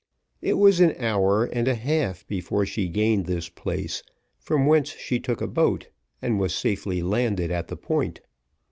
It was an hour and a half before she gained this place, from whence she took a boat, and was safely landed at the Point.